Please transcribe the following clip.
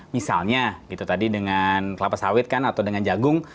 misalnya tadi dengan kelapa sawit atau dengan jagung